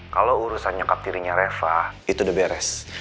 kalau urusan nyokap dirinya reva itu udah beres